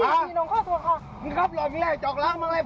อุ้ยได้สินะครับมากแนวหนีว่ายู้หรือครับ